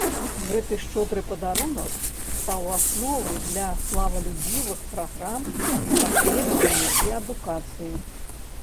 Гэты шчодры падарунак стаў асновай для славалюбівых праграм даследавання і адукацыі.